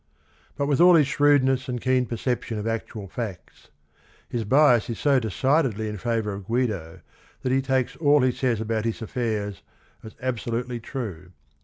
But with all his shrewdness and keen perception of actual facts his bias is so decidedly in favor of Guido that he takes all he says about his affairs as absolutely true.